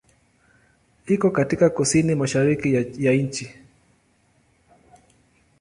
Iko katika kusini-mashariki ya nchi.